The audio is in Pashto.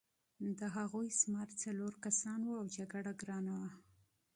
د هغوی شمېر څلور کسان وو او جګړه ګرانه وه